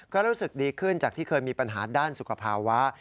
ก็รู้สึกดีขึ้นจากที่เคยมีปัญหาด้านสุขภาวะ